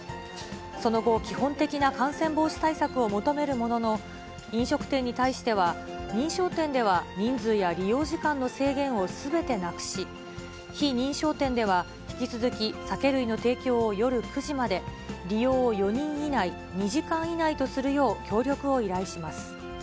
その後、基本的な感染防止対策を求めるものの、飲食店に対しては、認証店では人数や利用時間の制限をすべてなくし、非認証店では、引き続き、酒類の提供を夜９時まで、利用を４人以内、２時間以内とするよう、協力を依頼します。